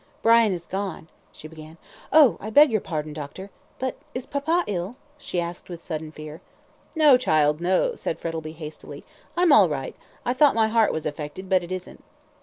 "Brian is gone," she began. "Oh, I beg your pardon, doctor but is papa ill?" she asked with sudden fear. "No, child, no," said Frettlby, hastily, "I'm all right; I thought my heart was affected, but it isn't."